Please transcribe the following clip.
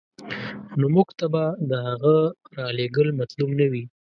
نو موږ ته به د هغه رالېږل مطلوب نه وي.